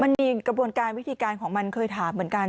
มันมีกระบวนการวิธีการของมันเคยถามเหมือนกัน